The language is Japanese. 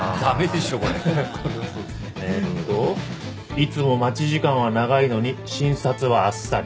「いつも待ち時間は長いのに診察はあっさり」